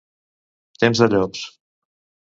Temps de llops.